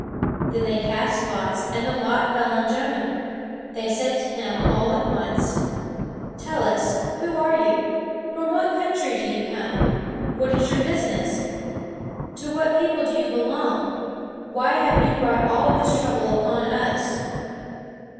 Then they cast lots, and the lot fell on Jonah. They said to him, all at once: "Tell us, who are you? From what country do you come? What is your business? To what people do you belong? Why have you brought all this trouble upon us?"